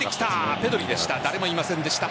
ペドリでした誰もいませんでした。